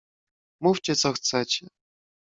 "Mówcie, co chcecie."